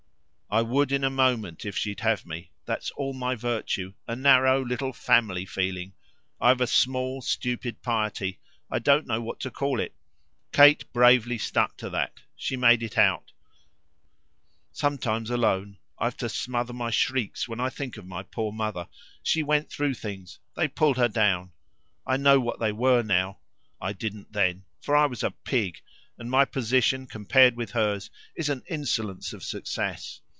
"I would in a moment if she'd have me. That's all my virtue a narrow little family feeling. I've a small stupid piety I don't know what to call it." Kate bravely stuck to that; she made it out. "Sometimes, alone, I've to smother my shrieks when I think of my poor mother. She went through things they pulled her down; I know what they were now I didn't then, for I was a pig; and my position, compared with hers, is an insolence of success.